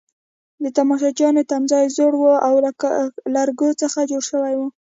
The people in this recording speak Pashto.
د تماشچیانو تمځای زوړ وو او له لرګو څخه جوړ شوی وو.